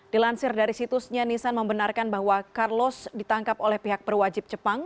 dilansir dari situsnya nisan membenarkan bahwa carlos ditangkap oleh pihak perwajib jepang